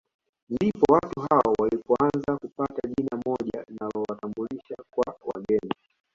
Ndipo watu hao walipoanza kupata jina moja lililowatambulisha kwa wageni